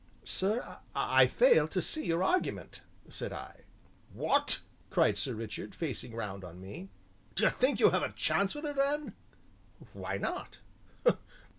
"Sir, I fail to see your argument," said I. "What?" cried Sir Richard, facing round on me, "d'you think you'd have a chance with her then?" "Why not?"